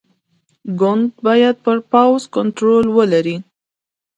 ګوند باید پر پوځ کنټرول ولري.